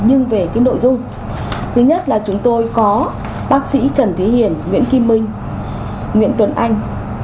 nhưng về cái nội dung thứ nhất là chúng tôi có bác sĩ trần thế hiền nguyễn kim minh nguyễn tuấn anh